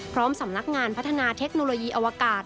สำนักงานพัฒนาเทคโนโลยีอวกาศ